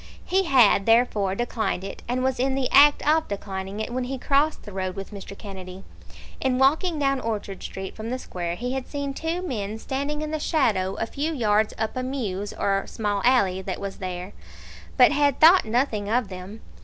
He had, therefore, declined it, and was in the act of declining it, when he crossed the road with Mr. Kennedy. In walking down Orchard Street from the Square he had seen two men standing in the shadow a few yards up a mews or small alley that was there, but had thought nothing of them.